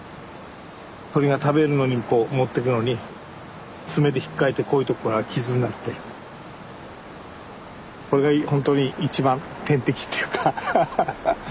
鳥が食べるのにこう持ってくのに爪でひっかいてこういうとこから傷になってこれがほんとに一番天敵っていうかハハハ。